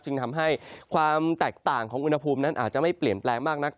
จึงทำให้ความแตกต่างของอุณหภูมินั้นอาจจะไม่เปลี่ยนแปลงมากนัก